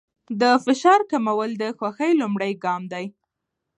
د فشار کمول د خوښۍ لومړی ګام دی.